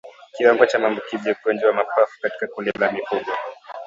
Kiwango cha maambukizi ya ugonjwa wa mapafu katika kundi la mifugo